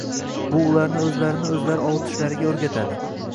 bu ularni o‘zlarini-o‘zlari ovutishlariga o‘rgatadi.